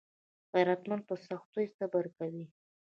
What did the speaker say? غیرتمند په سختیو صبر کوي